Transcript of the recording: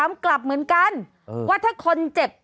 กลับเหมือนกันว่าถ้าคนเจ็บ